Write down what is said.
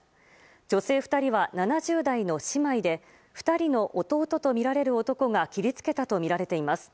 女性２人は７０代の姉妹で２人の弟とみられる男が切り付けたとみられています。